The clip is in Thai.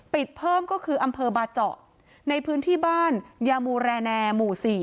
เพิ่มก็คืออำเภอบาเจาะในพื้นที่บ้านยามูแรแนหมู่๔